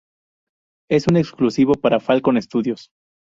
Es un exclusivo para Falcon Studios.